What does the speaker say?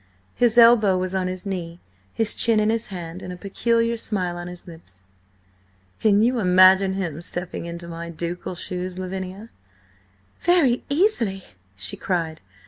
His elbow was on his knee, his chin in his hand, and a peculiar smile on his lips. "Can you imagine him stepping into my ducal shoes, Lavinia?" "Very easily!" she cried.